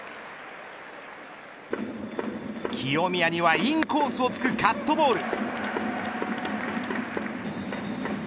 清宮にはインコースを突くカットボール。